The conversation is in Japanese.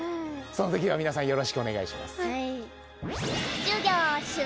その時は皆さんよろしくお願いします。